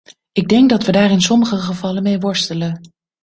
Ik denk dat we daar in sommige gevallen mee worstelen.